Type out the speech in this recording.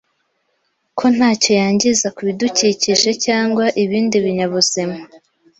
ko ntacyo yangiza ku bidukikije cyangwa ibindi binyabuzima.